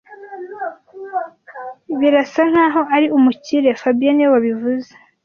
Birasa nkaho ari umukire fabien niwe wabivuze